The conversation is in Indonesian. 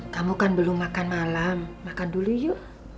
kamu kan belum makan malam makan dulu yuk